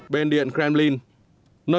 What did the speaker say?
bên điện kremlin